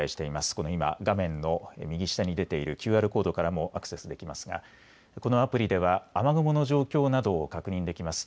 この今、画面の右下に出ているＱＲコードからもアクセスできますがこのアプリでは雨雲の状況などを確認できます。